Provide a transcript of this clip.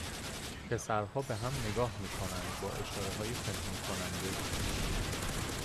پسرها به هم نگاه میکنند با اشارههای پنهان کننده